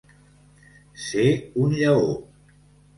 Ser un lleó.